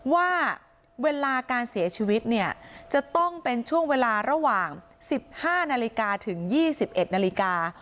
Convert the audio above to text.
ว่าเวลาการเสียชีวิตเนี่ยจะต้องเป็นช่วงเวลาระหว่าง๑๕นาฬิกาถึง๒๑นาฬิกา